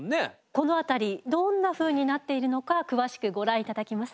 この辺りどんなふうになっているのか詳しくご覧頂きます。